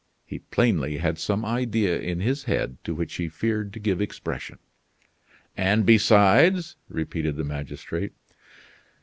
He plainly had some idea in his head to which he feared to give expression. "And besides?" repeated the magistrate.